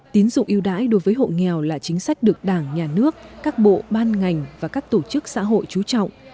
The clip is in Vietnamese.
tín dụng yêu đái đối với hộ nghèo là chính sách được đảng nhà nước các bộ ban ngành và các tổ chức xã hội trú trọng